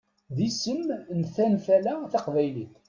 D isem n tantala taqbaylit.